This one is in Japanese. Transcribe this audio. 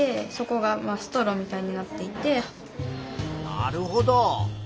なるほど。